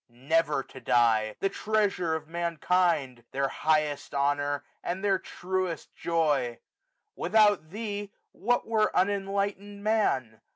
Never to die ! the treasure of mankind ! 1755 Their highest honour, and their truest joy ! Without thee, what were unenlightened Man